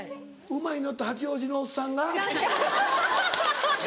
馬に乗った八王子のおっさんが？